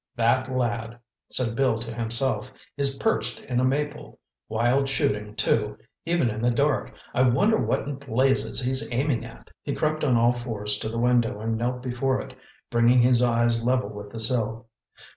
"That lad," said Bill to himself, "is perched in a maple. Wild shooting, too—even in the dark. I wonder what in blazes he's aiming at!" He crept on all fours to the window and knelt before it, bringing his eyes level with the sill.